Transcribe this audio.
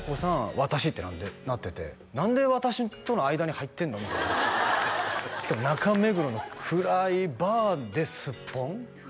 私ってなってて何で私との間に入ってんの？みたいなしかも中目黒の暗いバーでスッポン？